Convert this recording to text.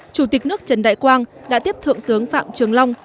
chủ tịch nước trần đại quang đã tiếp thượng tướng phạm trường long